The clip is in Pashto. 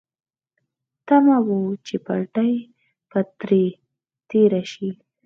تمه وه چې پټلۍ به ترې تېره شي.